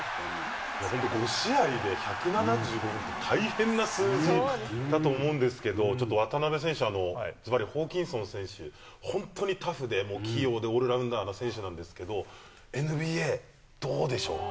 ５試合で１７５分、大変な数字だと思うんですけど、ちょっと渡邊選手、ずばりホーキンソン選手、本当にタフで、器用でオールラウンダーな選手なんですけれども、ＮＢＡ、どうでしょう？